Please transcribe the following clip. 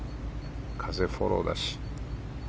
風はフォローだし。